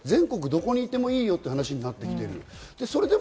どこにいてもいいよって話になってきてる。